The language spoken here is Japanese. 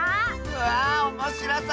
わあおもしろそう！